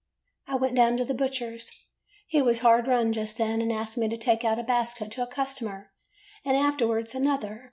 "I went down to the butcher's. He was hard run just then, and asked me to take out a basket to a customer, and afterward another.